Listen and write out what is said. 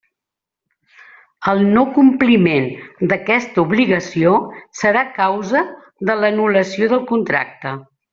El no-compliment d'aquesta obligació serà causa de l'anul·lació del contracte.